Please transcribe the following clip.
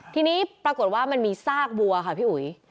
ทีนี้ปรากฏว่ามันมีซากวัวค่ะพี่อุ๋ย